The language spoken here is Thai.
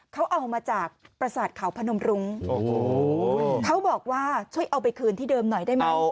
เขาเอามาจากประสาทเขาพนมรุ้งเขาบอกว่าช่วยเอาไปคืนที่เดิมหน่อยได้ไหม